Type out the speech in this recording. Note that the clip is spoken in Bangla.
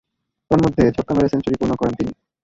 তন্মধ্যে, ছক্কা মেরে সেঞ্চুরি পূর্ণ করেন তিনি।